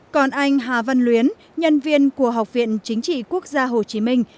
còn anh hà văn luyến nhân viên của học viện chính trị quốc gia hồ chí minh